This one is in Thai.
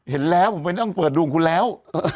เห็นแล้วผมไม่ต้องเปิดดวงคุณแล้ว